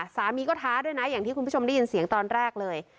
สามีก็ท้าด้วยนะอย่างที่คุณผู้ชมได้ยินเสียงตอนแรกเลย